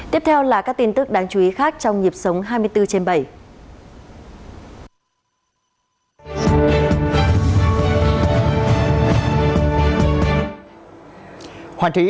tiếp theo là các tin tức đáng chú ý khác trong nhịp sống hai mươi bốn trên bảy